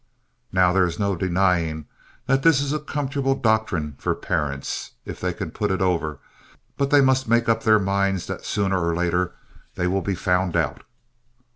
Now there is no denying that this is a comfortable doctrine for parents, if they can put it over, but they must make up their minds that sooner or later they will be found out.